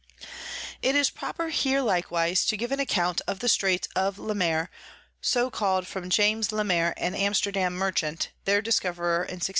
_] It is proper here likewise to give an Account of the Straits of Le Maire, so call'd from James Le Maire an Amsterdam Merchant, their Discoverer in 1615.